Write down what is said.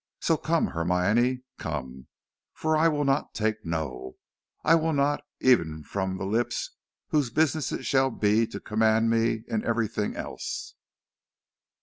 So come, Hermione, come, for I will not take no, I will not, even from the lips whose business it shall be to command me in everything else."